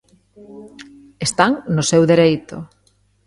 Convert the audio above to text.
Están no seu dereito.